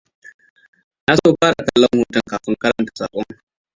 Na so fara kallon hoton kafin karanta saƙon.